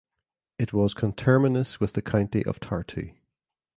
It was conterminous with the county of Tartu.